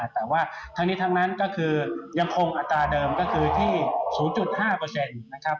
แต่ว่าทั้งนี้ทั้งนั้นก็คือยังคงอัตราเดิมก็คือที่๐๕นะครับ